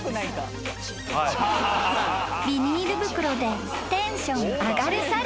［ビニール袋でテンション上がる猿］